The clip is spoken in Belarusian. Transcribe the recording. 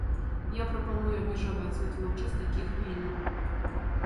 Я прапаную абмежаваць вытворчасць такіх вінаў.